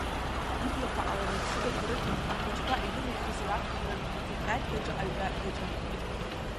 Иблақәа аланарԥшыгақәа рыҭаны, ахәыҷқәа ирымихызар акәхарын, тетрадк аҿы аҩра даҿын.